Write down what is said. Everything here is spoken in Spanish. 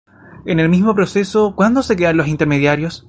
En el mismo proceso ¿cuánto se quedan los intermediarios?